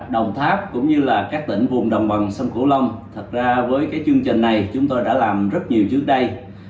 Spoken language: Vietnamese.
đồng tháp cũng như là các tỉnh vùng đồng bằng sông cửu long thật ra với cái chương trình này chúng tôi đã làm rất nhiều trước đây